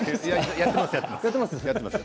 やってます？